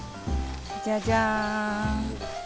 じゃじゃん！